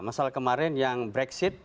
masalah kemarin yang brexit